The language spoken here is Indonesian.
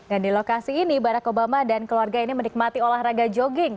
di lokasi ini barack obama dan keluarga ini menikmati olahraga jogging